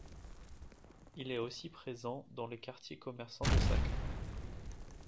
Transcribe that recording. Il est aussi présent dans les quartiers commerçants d'Osaka.